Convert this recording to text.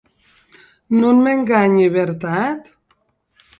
Non m’enganhi, vertat?